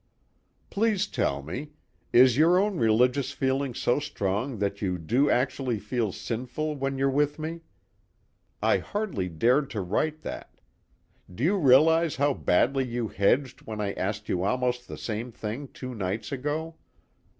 "Please tell me: is your own religious feeling so strong that you do actually feel sinful when you're with me? I hardly dared write that. Do you realize how badly you hedged when I asked you almost the same thing two nights ago?